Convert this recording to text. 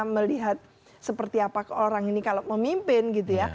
melihat seperti apa orang ini kalau memimpin gitu ya